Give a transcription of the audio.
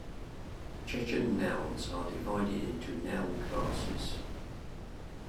Chechen nouns are divided into noun classes.